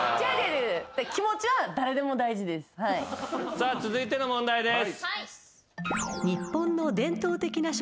さあ続いての問題です。